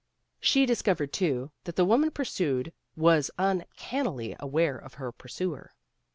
She dis covered, too, that the woman pursued was un cannily aware of her pursuer.